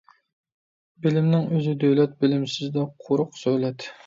بىلىمنىڭ ئۆزى دۆلەت، بىلىمسىزدە قۇرۇق سۆلەت.